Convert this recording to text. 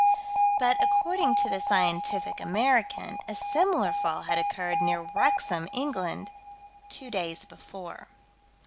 But, according to the Scientific American, a similar fall had occurred near Wrexham, England, two days before.